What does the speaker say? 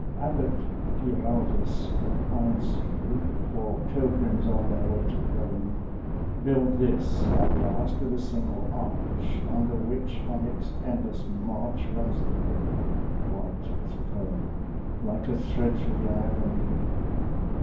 Abbot Giraldus of Einsiedel, For pilgrims on their way to Rome, Built this at last, with a single arch, Under which, on its endless march, Runs the river, white with foam, Like a thread through the eye of a needle.